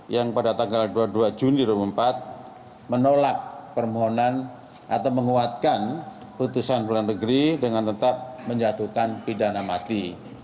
yang pada tanggal dua puluh dua juni dua ribu empat menolak permohonan atau menguatkan putusan pengadilan negeri dengan tetap menjatuhkan pidana mati